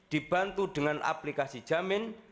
dibantu dengan aplikasi jamin